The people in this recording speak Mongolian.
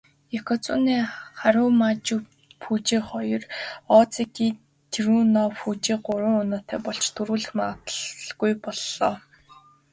Ёкозүна Харүмафүжи хоёр, озеки Тэрүнофүжи гурван унаатай болж түрүүлэх магадлалгүй боллоо.